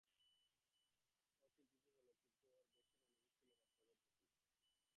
ও চিন্তিত ছিল, কিন্তু ওর বেশি মনোযোগ ছিল বাচ্চাদের প্রতি।